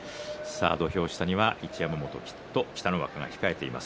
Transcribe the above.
土俵下には一山本そして北の若が控えています。